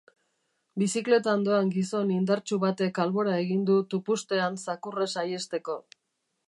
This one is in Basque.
Bizikletan doan gizon indartsu batek albora egin du tupustean zakurra saihesteko.